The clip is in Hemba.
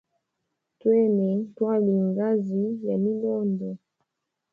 Twene twalie ngazi ya milondo.